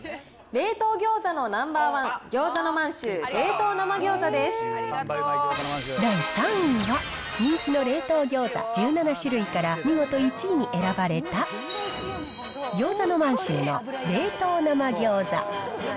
冷凍ギョーザのナンバー１、ぎょうざの満洲冷凍生ぎょうざで第３位は、人気の冷凍ギョーザ１７種類から見事１位に選ばれたぎょうざの満洲の冷凍生ぎょうざ。